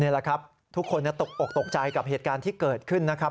นี่แหละครับทุกคนตกอกตกใจกับเหตุการณ์ที่เกิดขึ้นนะครับ